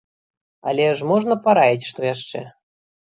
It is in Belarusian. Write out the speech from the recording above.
Але ж можна параіць што яшчэ?